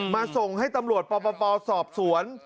มาส่งให้ตำรวจป่อป่อสอบสวน